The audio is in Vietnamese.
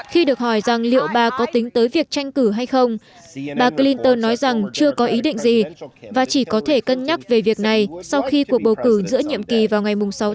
khi được hỏi rằng liệu bà có tính tới việc tranh cử hay không bà clinton nói rằng chưa có ý định gì và chỉ có thể cân nhắc về việc này sau khi cuộc bầu cử giữa nhiệm kỳ vào ngày sáu tháng một mươi một diễn ra